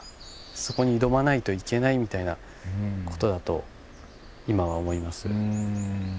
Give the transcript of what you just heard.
そこに挑まないといけないみたいな事だと今は思います。